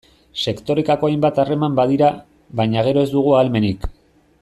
Sektorekako hainbat harreman badira, baina gero ez dugu ahalmenik.